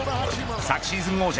昨シーズン王者